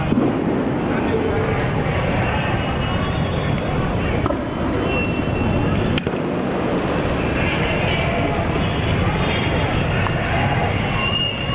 สวัสดีครับ